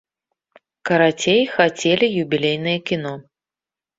Карацей, хацелі юбілейнае кіно.